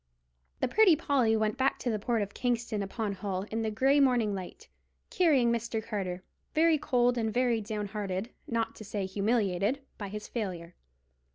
The Pretty Polly went back to the port of Kingston upon Hull in the grey morning light, carrying Mr. Carter, very cold and very down hearted—not to say humiliated—by his failure.